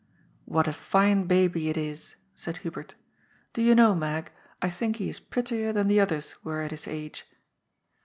What a fine baby it is," said Hubert. " Do you know, Mag, I think he is prettier than the others were at his age."